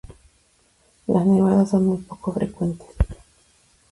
Las nevadas son muy poco frecuentes.